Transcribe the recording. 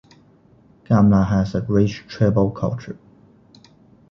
Gumla has a rich tribal culture.